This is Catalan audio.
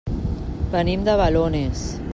Venim de Balones.